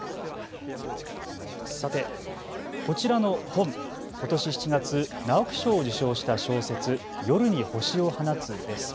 さて、こちらの本、ことし７月、直木賞を受賞した小説、夜に星を放つです。